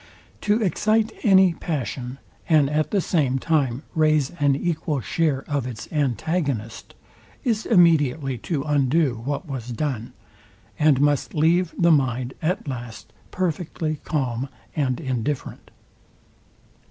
To excite any passion, and at the same time raise an equal share of its antagonist, is immediately to undo what was done, and must leave the mind at last perfectly calm and indifferent.